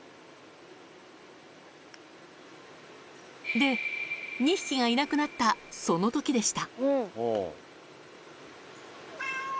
で、２匹がいなくなったそのときでした。